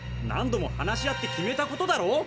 何度も話し合って決めたことだろ！